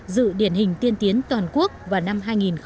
dự điển hình tiên tiến toàn quốc vào năm hai nghìn một mươi năm